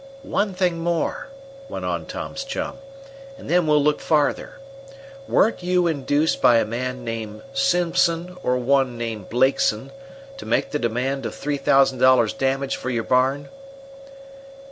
"One thing more," went on Tom's chum, "and then we'll look farther. Weren't you induced by a man named Simpson, or one named Blakeson, to make the demand of three thousand dollars' damage for your barn?"